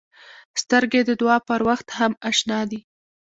سترګې د دعا پر وخت هم اشنا دي